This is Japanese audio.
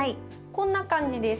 こんな感じです。